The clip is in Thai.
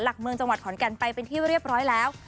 หลักเมืองจังหวัดขอนแก่นไปเป็นที่เรียบร้อยแล้ว